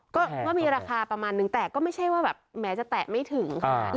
ก็มีราคาประมาณหนึ่งแต่ก็ไม่ใช่แถกไม่ถึง